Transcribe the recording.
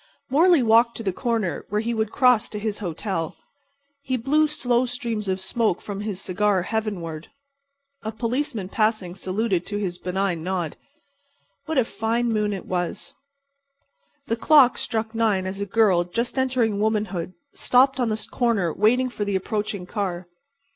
Morley walked to the corner where he would cross to his hotel. He blew slow streams of smoke from his cigar heavenward. A policeman passing saluted to his benign nod. What a fine moon it was. The clock struck nine as a girl just entering womanhood stopped on the corner waiting for the approaching car.